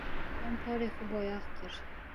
Tom porê xwe boyax kir.